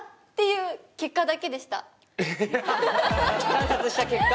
観察した結果？